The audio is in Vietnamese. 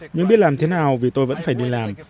nhưng biết làm thế nào vì tôi vẫn phải đi làm